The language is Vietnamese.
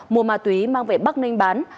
mua ma túy mang về bắc ninh bán